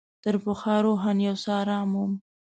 تر پخوا روحاً یو څه آرام وم.